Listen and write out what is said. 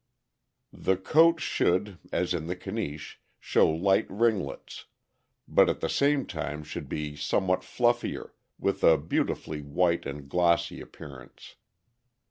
The coat should, as in the Caniche, show light ringlets, but at the same time should be somewhat fluffier, with a beautifully white and glossy appearance.